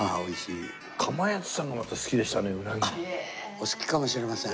お好きかもしれません。